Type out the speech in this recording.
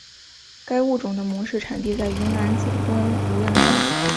该物种的模式产地在云南景东无量山。